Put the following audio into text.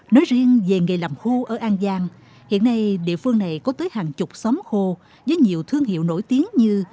nói riêng về nghề làm khô ở an giang hiện nay địa phương này có tới hàng chục xóm khô với nhiều thương hiệu nổi tiếng như